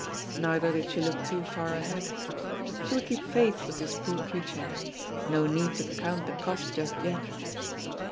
Neither did she look too far ahead. She would keep faith with this poor creature; no need to count the cost just yet.